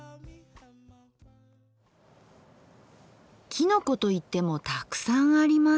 きのこといってもたくさんあります。